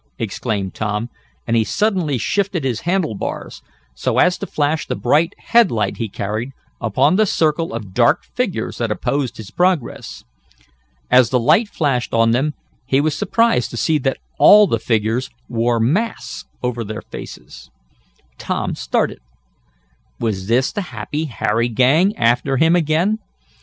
exclaimed Tom, and he suddenly shifted his handle bars, so as to flash the bright headlight he carried, upon the circle of dark figures that opposed his progress. As the light flashed on them he was surprised to see that all the figures wore masks over their faces. Tom started. Was this the Happy Harry gang after him again?